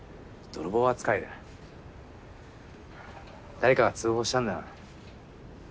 誰かが通報したんだな。